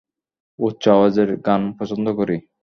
উচ্চ আওয়াজের গান পছন্দ করি!